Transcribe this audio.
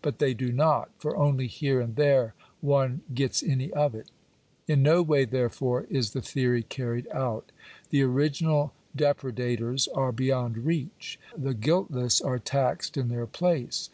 But they do not; for only here and there one, gets any of it In no way, therefore, is the theory carried out. The original depredators are beyond reach. The guiltless are taxed in their place.